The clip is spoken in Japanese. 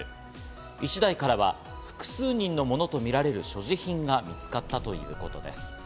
１台からは複数人のものとみられる所持品が見つかったということです。